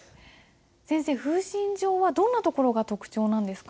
先生「風信帖」はどんなところが特徴なんですか？